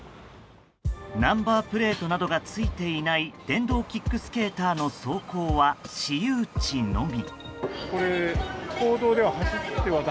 ナンバープレートなどがついていない電動キックスケーターの走行は私有地のみ。